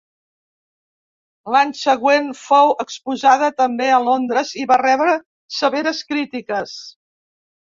L'any següent fou exposada, també a Londres, i va rebre severes crítiques.